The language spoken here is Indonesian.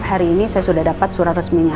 dan hari ini saya sudah dapat surat resminya